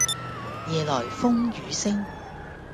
夜來風雨聲